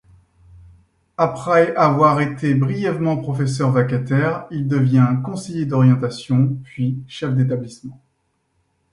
Après avoir été brièvement professeur vacataire, il devient conseiller d'orientation, puis chef d’établissement.